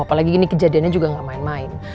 apalagi ini kejadiannya juga gak main main